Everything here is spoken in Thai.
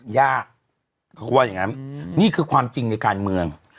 ยากเขาก็ว่าอย่างนั้นนี่คือความจริงในการเมือง